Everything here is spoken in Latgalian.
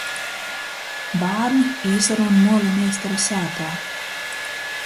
Bārni īsarūn muola meistara sātā.